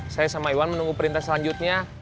saya sama iwan menunggu perintah selanjutnya